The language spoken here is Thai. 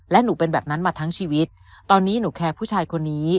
และหนูเป็นแบบนั้นมาทั้งชีวิตตอนนี้หนูแคร์ผู้ชายคนนี้